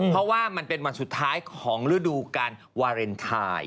เพราะว่ามันเป็นวันสุดท้ายของฤดูการวาเลนไทย